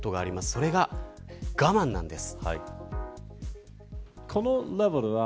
それが我慢なんです。